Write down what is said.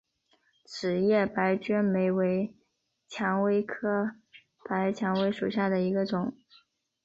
齿叶白鹃梅为蔷薇科白鹃梅属下的一个种。